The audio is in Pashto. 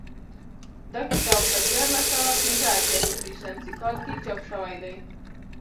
دا کتاب په دیارلس سوه پنځه اتیا هجري شمسي کال کې چاپ شوی دی